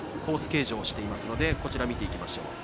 形状をしていますので見ていきましょう。